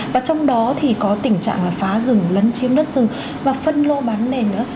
và trong đó thì có tình trạng là phá rừng lấn chiếm đất rừng và phân lô bán nền nữa